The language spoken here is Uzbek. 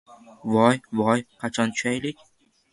— Voy-vo-oy, qachon tushaylik!